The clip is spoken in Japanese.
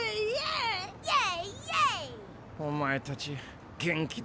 お前たち元気だなあ。